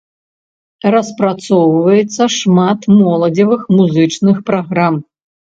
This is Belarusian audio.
Распрацоўваецца шмат моладзевых музычных праграм.